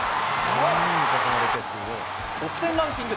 得点ランキング